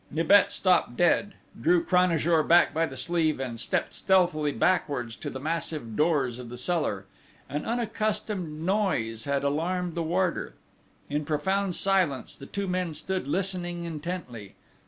Nibet stopped dead; drew Cranajour back by the sleeve, and stepped stealthily backwards to the massive doors of the cellar. An unaccustomed noise had alarmed the warder. In profound silence the two men stood listening intently.